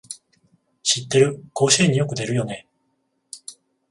知ってる、甲子園によく出るよね